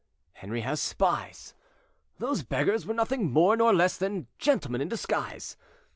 Henri has spies; those beggars were nothing more nor less than gentlemen in disguise.